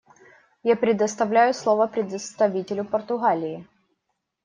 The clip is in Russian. Я предоставляю слово представителю Португалии.